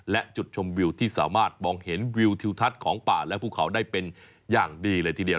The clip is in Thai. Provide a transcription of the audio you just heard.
และจุดชมวิวที่สามารถมองเห็นวิวทิวทัศน์ของป่าและภูเขาได้เป็นอย่างดีเลยทีเดียว